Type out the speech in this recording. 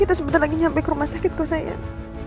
kita sebentar lagi sampai ke rumah sakit kok sayang